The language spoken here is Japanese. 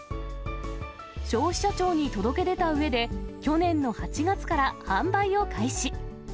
消費者庁に届け出たうえで、去年の８月から販売を開始。